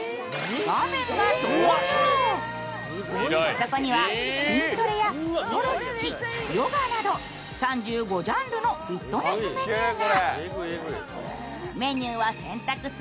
そこには筋トレやストレッチ、ヨガなど、３５ジャンルのフィットネスメニューが。